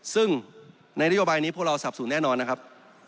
ซึ่งในนโยบายนี้พวกเราสับสนแน่นอนนะครับ